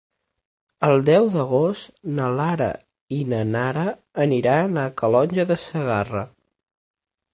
El deu d'agost na Lara i na Nara aniran a Calonge de Segarra.